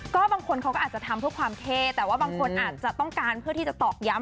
ก็บางคนเขาก็อาจจะทำเพื่อความเท่แต่ว่าบางคนอาจจะต้องการเพื่อที่จะตอกย้ำ